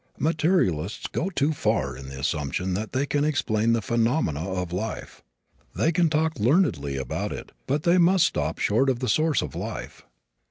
Materialists go too far in the assumption that they can explain the phenomena of life. They can talk learnedly about it but they must stop short of the source of life.